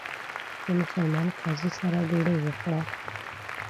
د مسلمان قاضي سره ډوډۍ وخوړه.